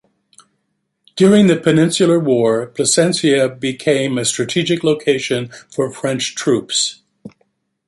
During the Peninsular War, Plasencia became a strategic location for French troops.